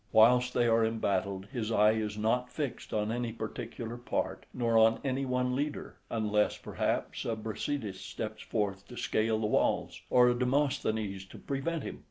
Whilst they are embattled, his eye is not fixed on any particular part, nor on any one leader, unless, perhaps, a Brasidas {62a} steps forth to scale the walls, or a Demosthenes to prevent him.